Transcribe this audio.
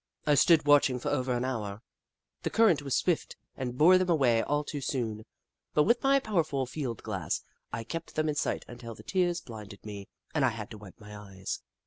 I stood watching for over an hour. The current was swift and bore them away all too soon, but with my powerful field glass I kept them in sight until the tears blinded me and I had to wipe my eyes.